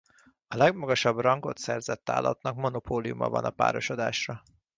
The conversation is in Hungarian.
A legmagasabb rangot szerzett állatnak monopóliuma van a párosodásra.